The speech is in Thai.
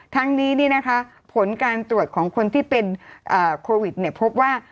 ทั้งนี้ผลการตรวจของคนที่เป็นโควิดพบว่า